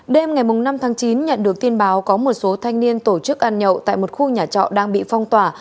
đêm ngày năm tháng chín nhận được tin báo có một số thanh niên tổ chức ăn nhậu tại một khu nhà trọ đang bị phong tỏa